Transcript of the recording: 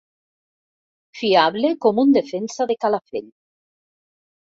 Fiable com un defensa de Calafell.